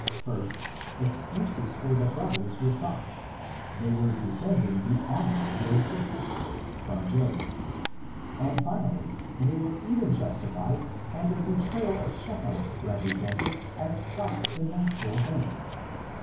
first excuses for the brothers were sought — they were defending the honor of their sisterQ) — and finally they were even justified and their betrayal of Shechem represented as quite the natural thing.